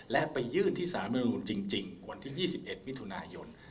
ที่สาธารณมนุษย์จริงวันที่๒๑วิธุนายน